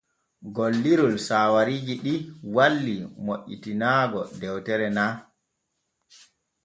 Gollirol saawariiji ɗi walli moƴƴitinaago dewtere na.